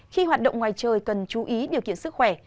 khi hoạt động ngoài trời cần chú ý điều kiện sức khỏe